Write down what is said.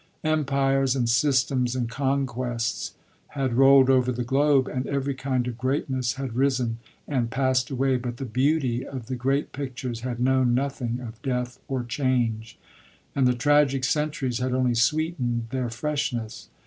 Empires and systems and conquests had rolled over the globe and every kind of greatness had risen and passed away, but the beauty of the great pictures had known nothing of death or change, and the tragic centuries had only sweetened their freshness.